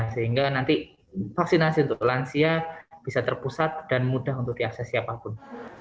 sehingga nanti vaksinasi untuk lansia bisa terpusat dan mudah untuk diakses siapapun